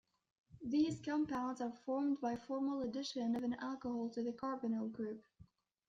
These compounds are formed by formal addition of an alcohol to the carbonyl group.